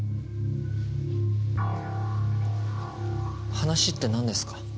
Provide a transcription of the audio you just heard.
話って何ですか？